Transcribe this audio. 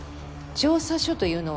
調査書というのは？